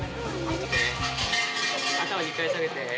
頭２回下げて。